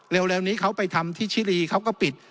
เร็วนี้เขาไปทำที่ชิรีเขาก็ปิด